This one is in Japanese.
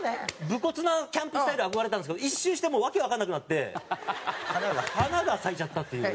武骨なキャンプスタイルに憧れたんですけど一周してもう訳わかんなくなって花が咲いちゃったっていう。